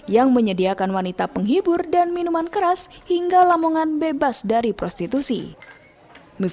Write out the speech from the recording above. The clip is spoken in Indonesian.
yang menyediakan wanita penghibur dan minuman keras hingga lamongan bebas dari prostitusi